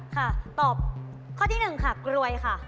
ตอบข้อที่๑ค่ะกรวยค่ะ